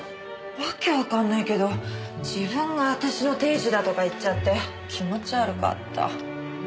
訳わかんないけど自分が私の亭主だとか言っちゃって気持ち悪かった。